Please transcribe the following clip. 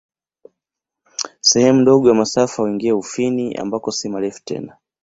Sehemu ndogo ya masafa huingia Ufini, ambako si marefu tena.